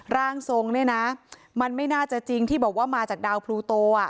ร่างทรงเนี่ยนะมันไม่น่าจะจริงที่บอกว่ามาจากดาวพลูโต